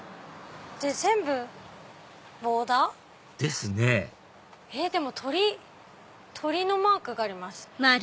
全部ボーダー？ですねでも鳥のマークがあります。